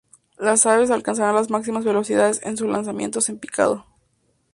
Las aves alcanzan las máximas velocidades en sus lanzamientos en picado.